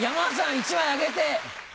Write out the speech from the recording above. １枚あげて。